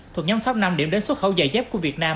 thuộc nhóm sóc năm điểm đến xuất khẩu dày dép của việt nam